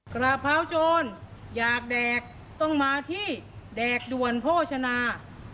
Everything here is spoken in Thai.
กราบเท้าโจรอยากแดกต้องมาที่แดกด่วนโภชนา